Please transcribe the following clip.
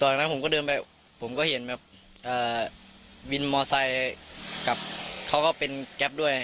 นั้นผมก็เดินไปผมก็เห็นแบบวินมอไซค์กับเขาก็เป็นแก๊ปด้วย